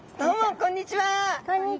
こんにちは。